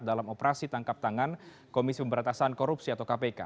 dalam operasi tangkap tangan komisi pemberatasan korupsi atau kpk